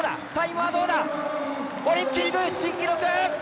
オリンピック新記録！